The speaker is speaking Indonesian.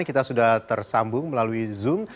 kita sudah tersambung melalui zoom